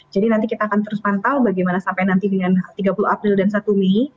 nanti kita akan terus pantau bagaimana sampai nanti dengan tiga puluh april dan satu mei